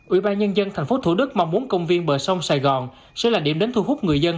ủy ban nhân dân tp thủ đức mong muốn công viên bờ sông sài gòn sẽ là điểm đến thu hút người dân